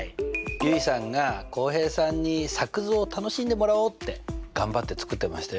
結衣さんが浩平さんに作図を楽しんでもらおうって頑張って作ってましたよ！